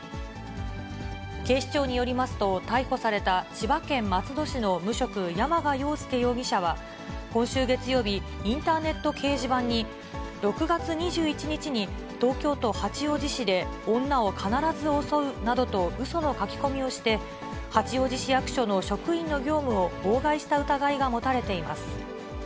警視庁によりますと、逮捕された千葉県松戸市の無職、山賀陽介容疑者は、今週月曜日、インターネット掲示板に、６月２１日に東京都八王子市で、女を必ず襲うなどとうその書き込みをして、八王子市役所の職員の業務を妨害した疑いが持たれています。